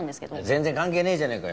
全然関係ねえじゃねえかよ。